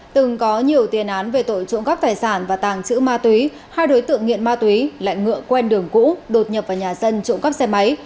từng có nhiều tiền án về tội trộm cắp tài sản và tàng trữ ma túy hai đối tượng nghiện ma túy lại ngựa quen đường cũ đột nhập vào nhà dân trộm cắp xe máy